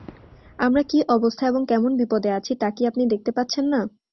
আমরা কী অবস্থায় এবং কেমন বিপদে আছি তা কি আপনি দেখতে পাচ্ছেন না?